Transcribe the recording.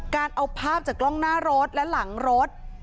การเอาภาพจากกล้องหน้ารถและหลังรถ